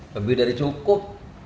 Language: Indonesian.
lebih dari cukup